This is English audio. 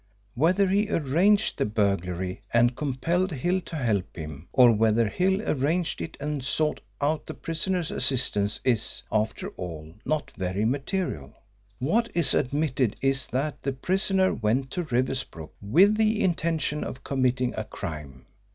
Whether he arranged the burglary and compelled Hill to help him, or whether Hill arranged it and sought out the prisoner's assistance is, after all, not very material. What is admitted is that the prisoner went to Riversbrook with the intention of committing a crime.